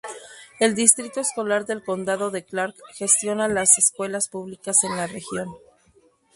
El Distrito Escolar del Condado de Clark gestiona las escuelas públicas en la región.